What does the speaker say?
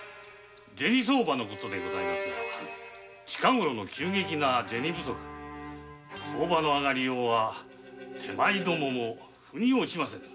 銭相場の事ですが最近の急激な銭不足相場の上がりようは手前どもも腑に落ちませぬ。